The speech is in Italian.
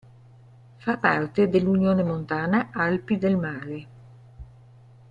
Fa parte dell'unione Montana Alpi del mare.